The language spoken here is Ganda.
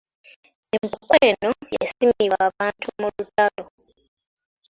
Empuku eno yasimibwa bantu mu lutalo.